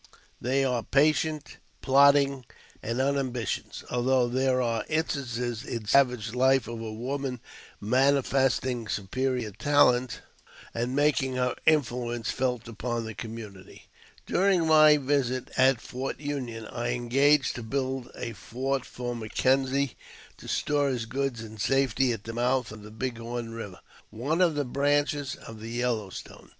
They are patient, plodding, and ambitious, although there are instances in savage life of a woman manifest ing superior talent, and making her influence felt upon the community. JAMES P. BECKWOUBTH. 181 During my visit at Fort Union I engaged to build a fort for M'Kenzie to store his goods in safety at the mouth of the Big Horn Kiver, one of the branches of the Yellow Stone.